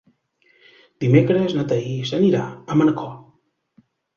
Dimecres na Thaís anirà a Manacor.